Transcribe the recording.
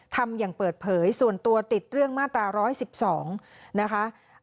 ทำอย่างเปิดเผยส่วนตัวติดเรื่องมาตรา๑๑๒นะคะ